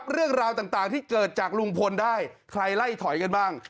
เรื่องราวต่างที่เกิดจากลุงพลได้ใครไล่ถอยกันบ้าง